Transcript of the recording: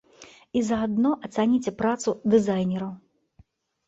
І заадно ацаніце працу дызайнераў!